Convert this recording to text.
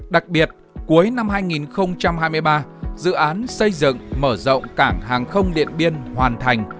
đặc biệt cuối năm hai nghìn hai mươi ba dự án xây dựng mở rộng cảng hàng không điện biên hoàn thành